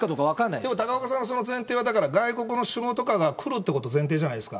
でも高岡さんは、その前提は外国の首脳とかが来るっていうことが前提じゃないですか。